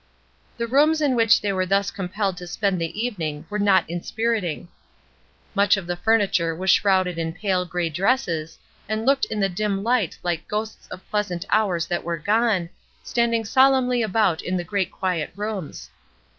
The rooms in which they were thus compelled to spend the evening were not inspiriting. Much of the furniture was shrouded in pale gray dresses, and looked in the dim light Uke ghosts of pleasant hours that were gone, stand ing solemnly about in the great quiet rooms.